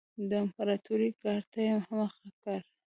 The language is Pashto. د امپراتورۍ ګارډ ته یې مخه کړه.